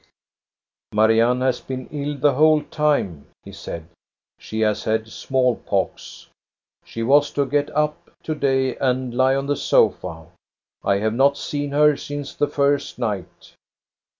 ISO THE STORY OF GOSTA BERLING " Marianne has been ill the whole time," he said. " She has had small pox. She was to get up to day and lie on the sofa. I have not seen her since the first night."